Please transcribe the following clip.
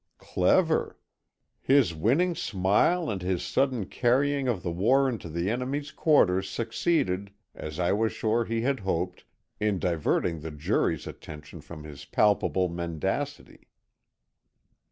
Clever! His winning smile and his sudden carrying of the war into the enemy's quarters succeeded, as I was sure he had hoped, in diverting the jury's attention from his palpable mendacity.